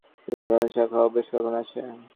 ঘন-ঘন চা খাওয়ার অভ্যাস এখনো আছে?